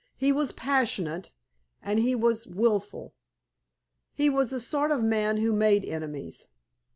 He was passionate, and he was wilful. He was the sort of a man who made enemies."